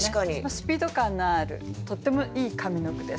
スピード感のあるとってもいい上の句です。